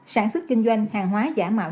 sản xuất kinh doanh hàng hóa giả mạo